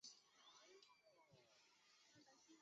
儿茶酚胺激素。